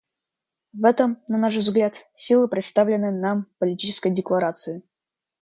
В этом, на наш взгляд, сила представленной нам Политической декларации.